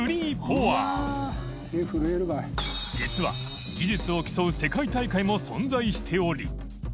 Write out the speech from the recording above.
禺造技術を競う世界大会も存在しておりⅣ